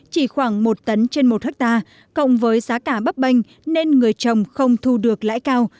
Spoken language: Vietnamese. chỉ khoảng một tấn trên một hectare cộng với giá cả bấp bênh nên người trồng không thu được lãi cao